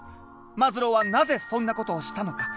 マズローはなぜそんなことをしたのか？